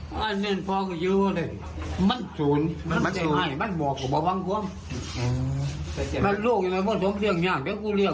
อ๋อมันศูนย์มันศูนย์เนอะใช่ครับครับครับครับครับครับ